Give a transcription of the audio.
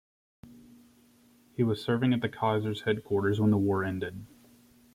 He was serving at the Kaiser's headquarters when the war ended.